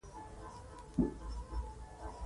موږ د شپې ناوخته چیسوک ته ورسیدو.